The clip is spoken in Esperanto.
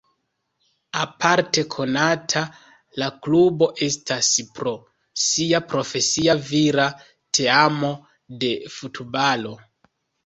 Aparte konata la klubo estas pro sia profesia vira teamo de futbalo.